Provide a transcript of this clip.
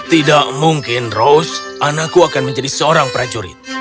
tidak mungkin rose anakku akan menjadi seorang prajurit